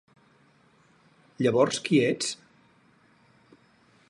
Llavors qui ets?